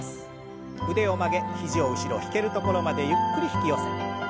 腕を曲げ肘を後ろ引けるところまでゆっくり引き寄せて。